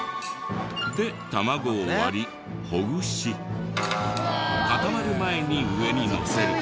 で卵を割りほぐし固まる前に上にのせる。